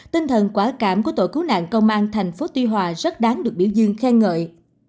tinh thần quả cảm của tội cứu nạn công an thành phố tuy hòa rất đáng được biểu dương khen ngợi